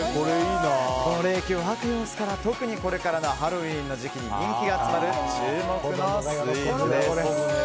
この冷気を吐く様子から特に、これからのハロウィーンの時期に人気が集まる注目のスイーツです。